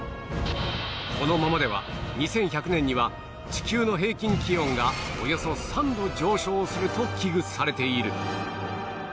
このままでは２１００年には地球の平均気温がおよそ３度上昇すると危惧されている